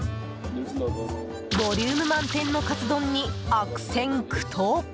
ボリューム満点のカツ丼に悪戦苦闘。